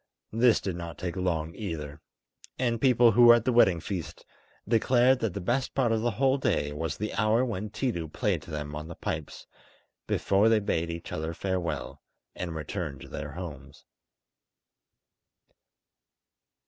This did not take long either; and people who were at the wedding feast declared that the best part of the whole day was the hour when Tiidu played to them on the pipes before they bade each other farewell and returned to their homes.